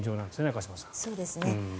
中嶋さん。